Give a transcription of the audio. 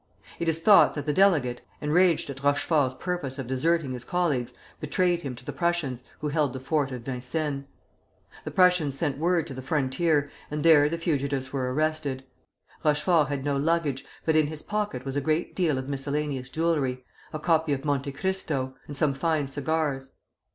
It is thought that the delegate, enraged at Rochefort's purpose of deserting his colleagues, betrayed him to the Prussians who held the fort of Vincennes. The Prussians sent word to the frontier, and there the fugitives were arrested. Rochefort had no luggage, but in his pocket was a great deal of miscellaneous jewelry, a copy of "Monte Cristo," and some fine cigars.